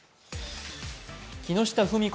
木下富美子